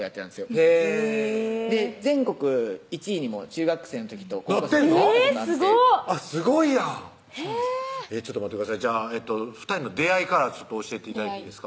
へぇ全国１位にも中学生の時となってんの⁉なったことあってすごいやんちょっと待ってくださいじゃあ２人の出会いから教えて頂いていいですか？